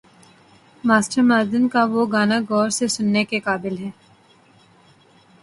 Master Madan کا وہ گانا غور سے سننے کے قابل ہے۔